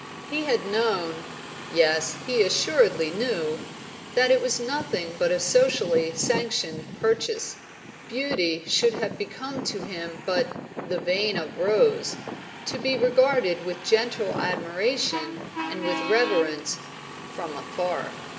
He had known yes, he assuredly knew that it was nothing but a socially sanctioned purchase. Beauty should have become to him but the "vein of rose," to be regarded with gentle admiration and with reverence, from afar.